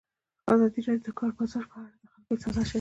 ازادي راډیو د د کار بازار په اړه د خلکو احساسات شریک کړي.